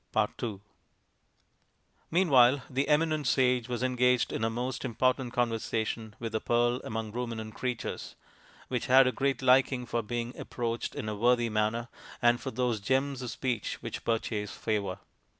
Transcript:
ii Meanwhile the eminent sage was engaged in a most important conversation with the Pearl among Ruminant Creatures, which had a great liking for being approached in a worthy manner and for those gems of speech which purchase favour.